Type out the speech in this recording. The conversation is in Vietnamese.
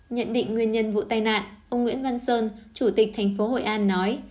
nhận định nguyên nhân vụ tai nạn ông nguyễn văn sơn chủ tịch thành phố hội an nói